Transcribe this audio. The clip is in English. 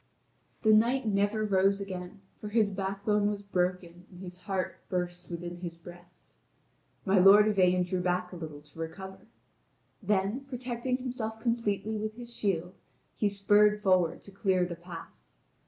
The knight never rose again, for his backbone was broken and his heart burst within his breast. My lord Yvain drew back a little to recover. Then protecting himself completely with his shield, he spurred forward to clear the pass.